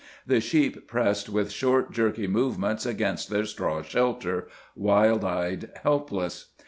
The sheep pressed with short, jerky movements against their straw shelter, wild eyed, helpless.